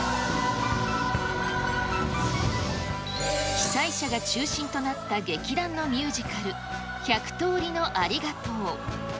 被災者が中心となった劇団のミュージカル、１００通りのありがとう。